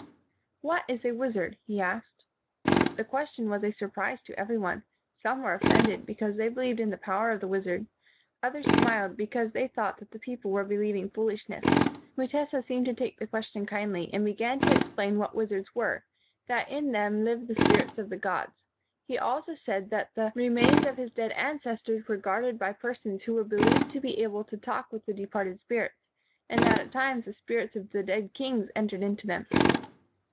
"What is a wizard?" he asked. The question was a surprise to every one. Some were offended, because they believed in the power of the wizard; others smiled, be cause they thought that the people were be lieving foolishness. Mutesa seemed to take the question kindly, and began to explain what wizards were, that in them lived the spirits of the gods. He also said that the 117 WHITE MAN OF WORK remains of his dead ancestors were guarded by persons who were believed to be able to talk with the departed spirits, and that at times the spirits of the dead kings entered into them.